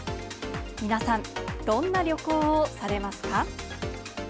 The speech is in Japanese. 皆さん、どんな旅行をされますか？